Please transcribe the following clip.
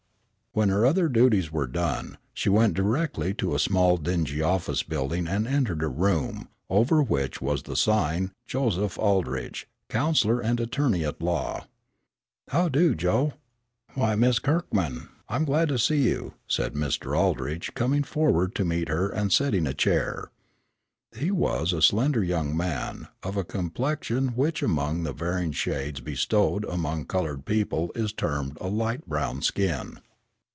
When her other duties were done she went directly to a small dingy office building and entered a room, over which was the sign, "Joseph Aldrich, Counselor and Attorney at Law." "How do, Joe." "Why, Miss Kirkman, I'm glad to see you," said Mr. Aldrich, coming forward to meet her and setting a chair. He was a slender young man, of a complexion which among the varying shades bestowed among colored people is termed a light brown skin.